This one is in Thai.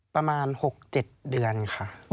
ประมาณ๖๗เดือนค่ะ